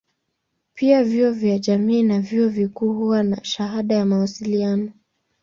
Pia vyuo vya jamii na vyuo vikuu huwa na shahada ya mawasiliano.